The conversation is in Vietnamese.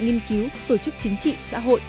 nghiên cứu tổ chức chính trị xã hội